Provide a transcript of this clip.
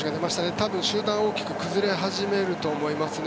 多分集団大きく崩れ始めると思いますね。